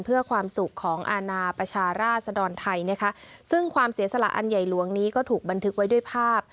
เพื่อความสุขของอาณาประชาราชดรไทยนะคะซึ่งความเสียสละอันใหญ่หลวงนี้ก็ถูกบันทึกไว้ด้วยภาพ